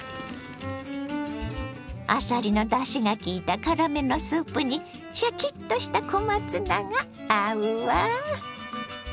あさりのだしがきいた辛めのスープにシャキッとした小松菜が合うわ。